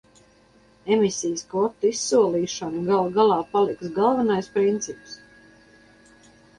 Emisijas kvotu izsolīšana galu galā paliks galvenais princips.